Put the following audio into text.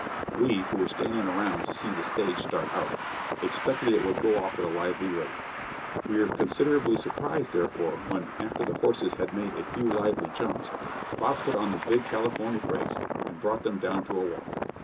We, who were standing around to see the stage start out, expected it would go off at a lively rate. We were considerably surprised, therefore, when, after the horses had made a few lively jumps, Bob put on the big California brakes and brought them down to a walk.